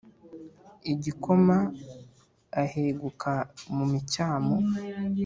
Igakoma aheguka mu micyamu,